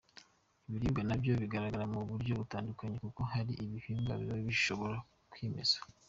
Ibiribwa na byo bigaragara mu buryo butandukanye kuko hari ibihingwa n’ibiba bishobora kwimeza.